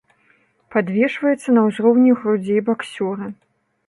Падвешваецца на ўзроўні грудзей баксёра.